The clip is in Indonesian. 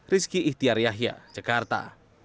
rizki ihtiar yahya jakarta